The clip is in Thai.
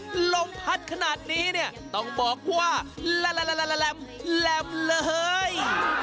แม่ลมพัดขนาดนี้เนี่ยต้องบอกว่ารระรระแลมเลย